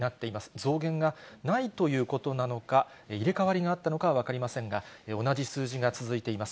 増減がないということなのか、入れ代わりがあったのかは分かりませんが、同じ数字が続いています。